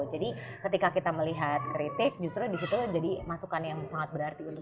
jadi ketika kita melihat kritik justru di situ jadi masukan yang sangat berarti untuk kita